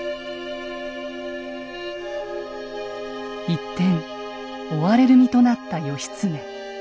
一転追われる身となった義経。